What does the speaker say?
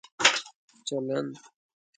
چلند